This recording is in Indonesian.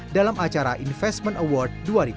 dalam acara investment award dua ribu delapan belas